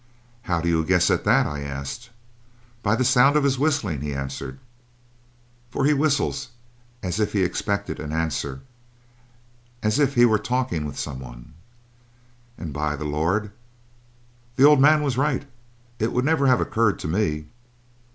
'How do you guess at that?' I asked. 'By the sound of his whistling,' he answered. 'For he whistles as if he expected an answer as if he were talking with someone.' And by the Lord, the old man was right. It would never have occurred to me!